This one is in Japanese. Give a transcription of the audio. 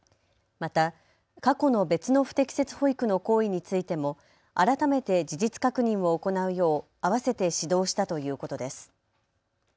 また過去の別の不適切保育の行為についても改めて事実確認を行うようあわせて指導したということです。